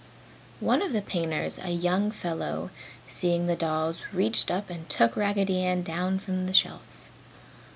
One of the painters, a young fellow, seeing the dolls, reached up and took Raggedy Ann down from the shelf.